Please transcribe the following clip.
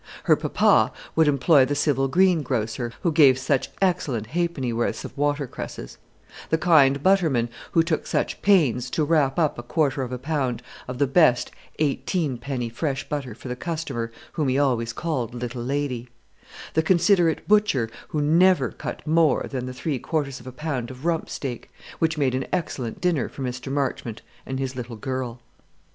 Her papa would employ the civil greengrocer who gave such excellent halfpennyworths of watercresses; the kind butterman who took such pains to wrap up a quarter of a pound of the best eighteenpenny fresh butter for the customer whom he always called "little lady;" the considerate butcher who never cut more than the three quarters of a pound of rump steak, which made an excellent dinner for Mr. Marchmont and his little girl.